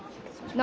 何？